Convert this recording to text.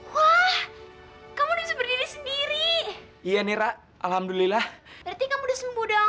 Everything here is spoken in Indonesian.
wah kamu udah bisa berdiri sendiri iya nira alhamdulillah berarti kamu udah sembuh dong